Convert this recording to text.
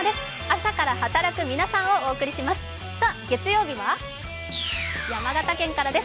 朝から働く皆さん」をお伝えします。